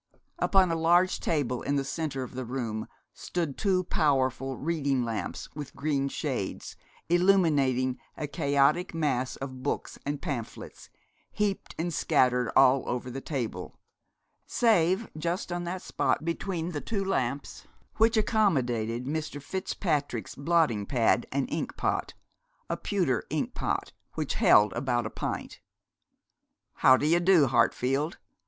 Upon a large table in the centre of the room stood two powerful reading lamps with green shades, illuminating a chaotic mass of books and pamphlets, heaped and scattered all over the table, save just on that spot between the two lamps, which accommodated Mr. Fitzpatrick's blotting pad and inkpot, a pewter inkpot which held about a pint. 'How d'ye do, Hartfield?